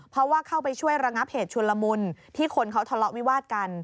เพราะว่าเข้าไปช่วยระงับเหตุชุนละมุนที่คนเขาทะเลาะวิวาดกัน